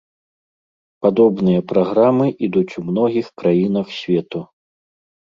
Падобныя праграмы ідуць у многіх краінах свету.